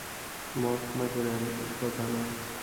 মঠ না করে আর কথা নয়।